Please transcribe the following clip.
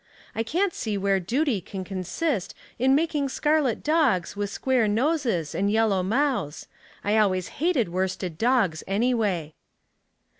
I can't see where duty can consist in making scarlet dogs with square noses and yellow mouths. I always hated worsted dogs, anyway."